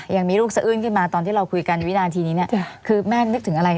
ยังมีลูกสะอื้นขึ้นมาตอนที่เราคุยกันวินาทีนี้เนี่ยคือแม่นึกถึงอะไร